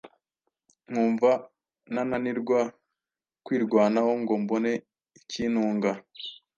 nkumva ntananirwa kwirwanaho ngo mbone ikintunga.